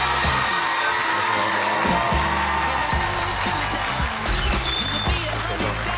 よろしくお願いします